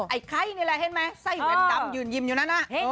ไอ้ไข่นี่แหละเห็นไหมไส้แวดดำยืนยิมอยู่นั่นน่ะ